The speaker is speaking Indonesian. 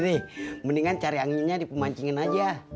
nih mendingan cari anginnya di pemancingin aja